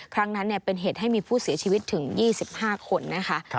ครั้งนั้นเป็นเหตุให้มีผู้เสียชีวิตถึง๒๕คนนะคะ